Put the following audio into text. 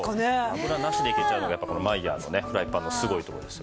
油なしでいけちゃうのがやっぱこのマイヤーのねフライパンのすごいところです。